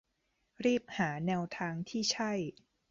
รีบหาแนวทางที่ใช่